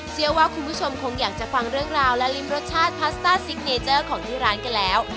เชื่อว่าคุณผู้ชมคงอยากจะฟังเรื่องราวและริมรสชาติพาสต้าซิกเนเจอร์ของที่ร้านกันแล้ว